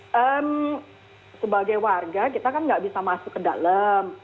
dan sebagai warga kita kan nggak bisa masuk ke dalam